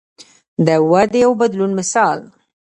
د ودې او بدلون مثال.